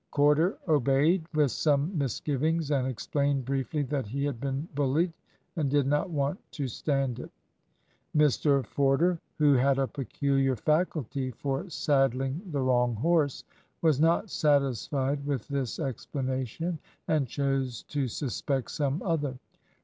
Corder obeyed, with some misgivings, and explained briefly that he had been bullied and did not want to stand it. Mr Forder, who had a peculiar faculty for saddling the wrong horse, was not satisfied with this explanation, and chose to suspect some other.